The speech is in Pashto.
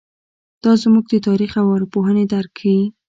دا زموږ د تاریخ او ارواپوهنې درک ښيي.